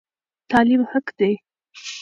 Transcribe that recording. تعلیم حق دی.